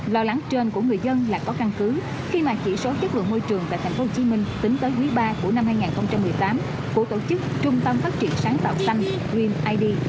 lo lắng trên của người dân là có căn cứ khi mà chỉ số chất lượng môi trường tại tp hcm tính tới quý ba của năm hai nghìn một mươi tám của tổ chức trung tâm phát triển sáng tạo xanh green id